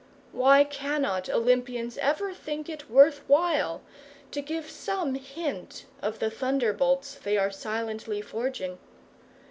Why cannot Olympians ever think it worth while to give some hint of the thunderbolts they are silently forging?